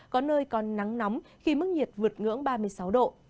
có nơi còn nắng nóng khi mức nhiệt vượt ngưỡng ba mươi sáu độ